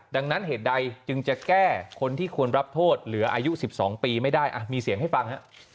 ดังนั้นเหตุใดจึงจะแก้คนที่ควรรับโทษเหลืออายุ๑๒ปีไม่ได้มีเสียงให้ฟัง